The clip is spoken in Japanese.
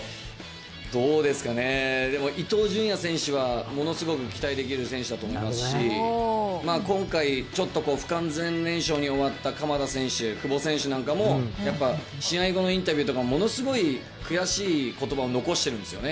どうですかね、でも伊東純也選手はものすごく期待できる選手だと思いますし、今回、ちょっと不完全燃焼に終わった鎌田選手、久保選手なんかも、やっぱ試合後のインタビューとか、ものすごい悔しいことばを残してるんですよね。